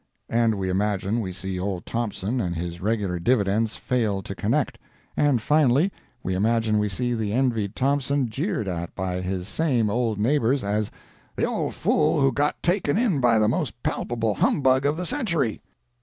And we imagine we see old Thompson and his regular dividends fail to connect. And finally, we imagine we see the envied Thompson jeered at by his same old neighbors as "the old fool who got taken in by the most palpable humbug of the century."